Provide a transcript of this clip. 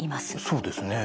そうですね。